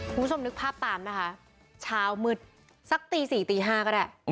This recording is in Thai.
คุณผู้ชมนึกภาพตามนะคะเช้ามืดสักตี๔ตี๕ก็ได้